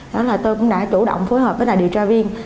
đó là tôi cũng đã chủ động phối hợp với đại điều tra viên